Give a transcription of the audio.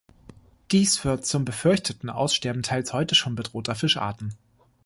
Dies führt zum befürchteten Aussterben teils heute schon bedrohter Fischarten.